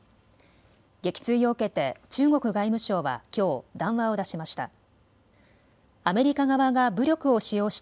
撃墜を受けて中国外務省はきょう談話を出しました。